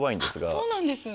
あっそうなんです。